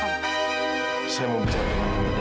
saya mau bicara sama anda dan mama kamu